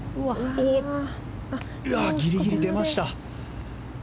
ギリギリ出ました。